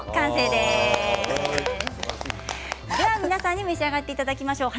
では皆さんに召し上がっていただきましょう。